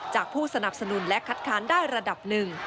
ผู้สนับสนุนและคัดค้านได้ระดับหนึ่ง